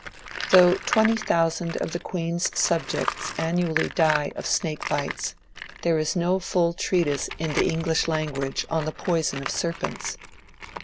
Though twenty thousand of the Queen's subjects annually die of snake bites, there is no full treatise in the EngUsh lan guage on the poison of serpents.